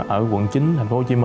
ở quận chín tp hcm